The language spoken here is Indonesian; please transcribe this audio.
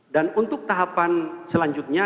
dan untuk tahapan selanjutnya